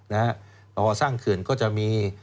พอสร้างเงินก็จะมี